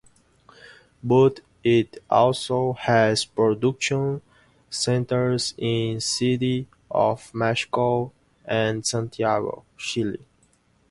But it also has Productions Centers In City of Mexico, and Santiago, Chile.